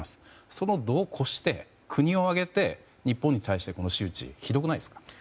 その度を越して国を挙げて日本に対してこの仕打ち、ひどくないですか。